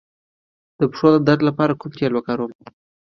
د پښو د درد لپاره کوم تېل وکاروم؟